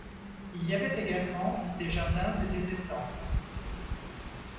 Il y avait également des jardins et des étangs.